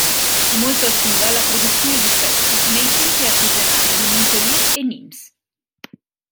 Fu molto attiva la produzione di pezzi nei centri artigianali di Montpellier e Nîmes.